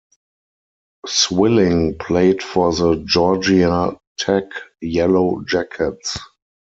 Swilling played for the Georgia Tech Yellow Jackets.